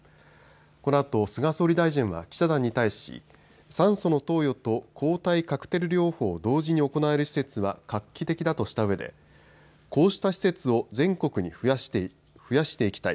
このあと菅総理大臣は記者団に対し酸素の投与と抗体カクテル療法を同時に行える施設は画期的だとしたうえでこうした施設を全国に増やしていきたい。